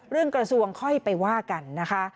กระทรวงค่อยไปว่ากันนะคะ